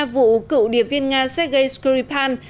vụ cựu điệp viên nga sergei skripal